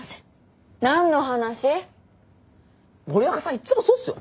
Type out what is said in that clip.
いっつもそうっすよ。